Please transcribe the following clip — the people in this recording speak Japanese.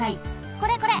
これこれ！